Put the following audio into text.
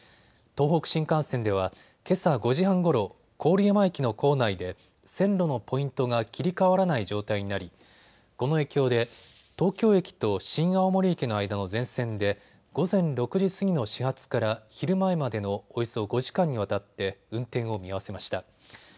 東北新幹線はけさ５時半ごろ、郡山駅の構内で線路のポイントが切り替わらない状態になりこの影響で東京駅と新青森駅の間の全線で午前６時過ぎの始発から昼前までのおよそ５時間にわたって運転を見合わせました。